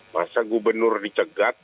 masa gubernur dicegat